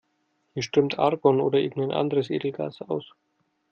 Hier strömt Argon oder irgendein anderes Edelgas aus.